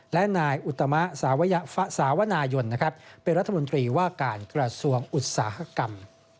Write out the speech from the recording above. และนายอุตมะสาวนายนเป็นรัฐมนตรีว่าการกระทรวงอุตสาหกรรม